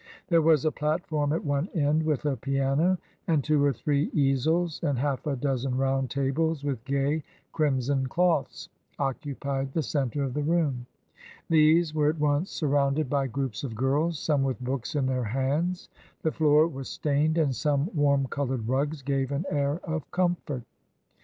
There was a platform at one end, with a piano; and two or three easels and half a dozen round tables, with gay, crimson cloths, occupied the centre of the room. These were at once surrounded by groups of girls, some with books in their hands. The floor was stained, and some warm coloured rugs gave an air of comfort.